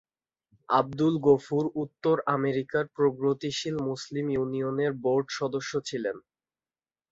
আবদুল-গফুর উত্তর আমেরিকার প্রগতিশীল মুসলিম ইউনিয়নের বোর্ড সদস্য ছিলেন।